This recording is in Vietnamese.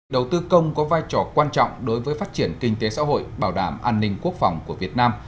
đầu tư công có vai trò quan trọng đối với phát triển kinh tế xã hội bảo đảm an ninh quốc phòng của việt nam